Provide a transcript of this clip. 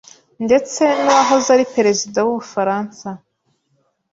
ndetse n’uwahoze ari perezida w’u Bufaransa